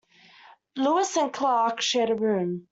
Lewis and Clark shared a room.